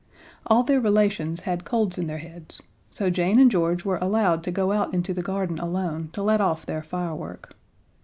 All their relations had colds in their heads, so Jane and George were allowed to go out into the garden alone to let off their firework.